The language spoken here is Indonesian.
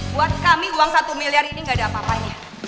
buat kami uang satu miliar ini gak ada apa apanya